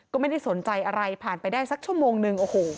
ก็ไม่ได้สนใจอะไรผ่านไปได้สักชั่วโมงนึงโอ้โห